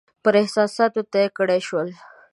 پر احساساتو طی کړای شول.